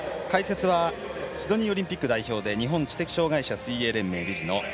解説はシドニーオリンピック代表で日本知的障害者水泳連盟代表